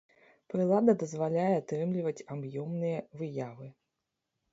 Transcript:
Прылада дазваляе атрымліваць аб'ёмныя выявы.